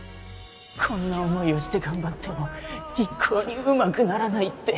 こんな思いをして頑張っても一向にうまくならないって